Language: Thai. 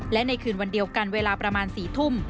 และในคืนวันเดียวกันเวลาประมาณ๔ทุ่ม